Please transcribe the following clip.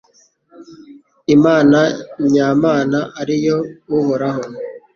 Imana nya mana ari yo Uhoraho